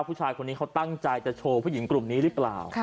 ผู้ชายคนนี้เขาตั้งใจจะโชว์ผู้หญิงกลุ่มนี้หรือเปล่า